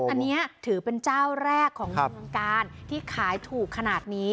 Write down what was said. อันนี้ถือเป็นเจ้าแรกของเมืองกาลที่ขายถูกขนาดนี้